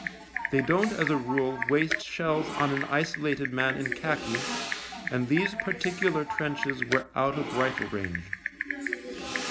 They don't as a rule waste shells on an isolated man in khaki, and these particular trenches were out of rifle range.